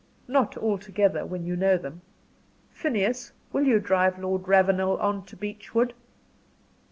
"Not altogether when you know them. Phineas, will you drive Lord Ravenel on to Beechwood?"